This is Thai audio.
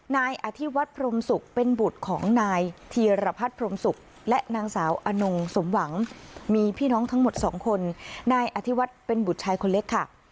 นายอธิวัฒน์พรมศุกร์เป็นบุตรของนายธีรพัฒน์พรมศุกร์และนางสาวอนงสมหวังมีพี่น้องทั้งหมดสองคนนายอธิวัฒน์เป็นบุตรชายคนเล็กค่ะ